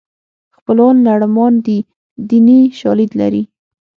خپلوان لړمان دي دیني شالید لري